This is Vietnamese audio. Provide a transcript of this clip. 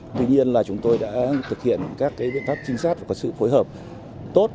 tuy nhiên là chúng tôi đã thực hiện các biện pháp trinh sát và có sự phối hợp tốt